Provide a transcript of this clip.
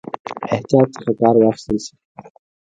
احتیاط څخه کار واخیستل شي.